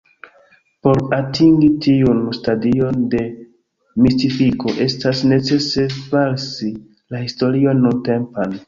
Por atingi tiun stadion de mistifiko, estas necese falsi la historion nuntempan.